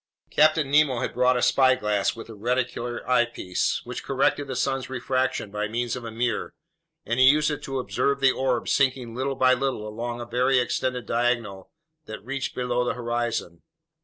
Captain Nemo had brought a spyglass with a reticular eyepiece, which corrected the sun's refraction by means of a mirror, and he used it to observe the orb sinking little by little along a very extended diagonal that reached below the horizon.